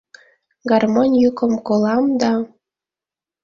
Гармонь йӱкым колам да